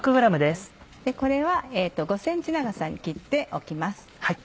これは５ｃｍ長さに切っておきます。